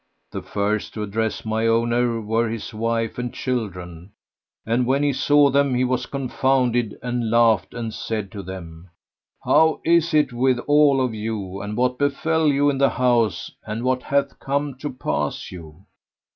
The first to address my owner were his wife and children; and when he saw them he was confounded and laughed[FN#98] and said to them, "How is it with all of you and what befel you in the house and what hath come to pass to you?"